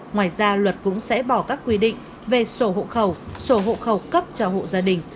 ngoài ra luật cũng sẽ bỏ các quy định về sổ hộ khẩu sổ hộ khẩu cấp cho hộ gia đình